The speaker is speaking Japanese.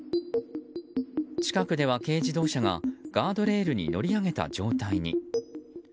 近くでは軽自動車がガードレールに乗り上げた状態に。